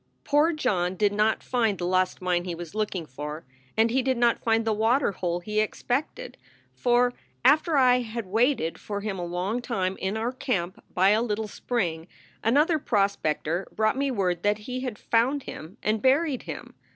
Poor John did not find the lost mine he was looking for, and he did not find the water hole he expected, for, after I had waited for him a long time in our camp by a little spring, another prospector brought me word that he had found him and buried him.